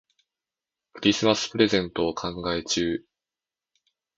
クリスマスプレゼントを考え中。